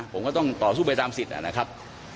ผมก็ต้องต่อสู้ไปตามสิทธิ์นะครับ